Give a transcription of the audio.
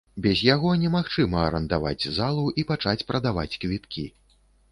Без яго немагчыма арандаваць залу і пачаць прадаваць квіткі.